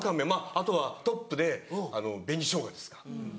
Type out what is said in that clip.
あとはトップで紅ショウガですか。